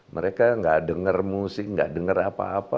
mereka nggak denger musik gak denger apa apa